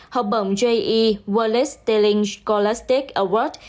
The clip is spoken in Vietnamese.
học bổng j e wallace telling scholastic award